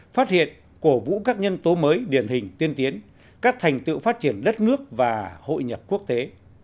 phát hiện cổ vũ các nhân tố mới điển hình tiên tiến các thành tựu phát triển đất nước và hội nhập quốc tế